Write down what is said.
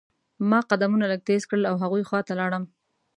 ما قدمونه لږ تیز کړل او هغوی خوا ته لاړم.